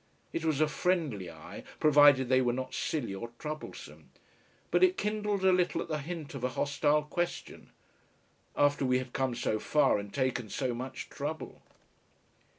It was a friendly eye, provided they were not silly or troublesome. But it kindled a little at the hint of a hostile question. After we had come so far and taken so much trouble!